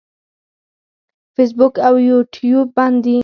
فیسبوک او یوټیوب بند دي.